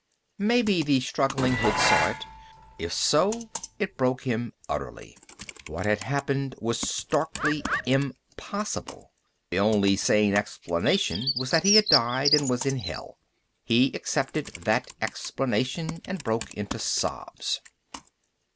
Maybe the struggling hood saw it. If so, it broke him utterly. What had happened was starkly impossible. The only sane explanation was that he had died and was in hell. He accepted that explanation and broke into sobs.